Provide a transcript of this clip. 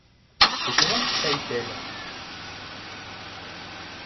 Et comment ? feit-elle.